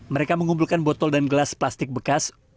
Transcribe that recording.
mereka mengumpulkan botol dan gelas plastik bekas